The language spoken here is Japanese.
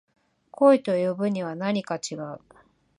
恋と呼ぶにはなにか違う